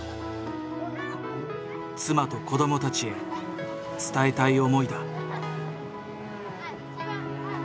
妻と子どもたちへ伝えたい思いだ。